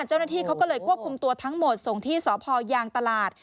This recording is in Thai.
เจ้าหน้าที่เขาก็เลยควบคุมตัวทั้งหมดส่งที่สพยางตลาด